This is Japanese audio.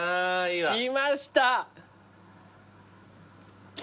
きました！